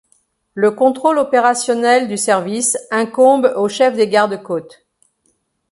Le contrôle opérationnel du service incombe au chef des garde-côtes.